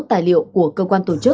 tài liệu của cơ quan tổ chức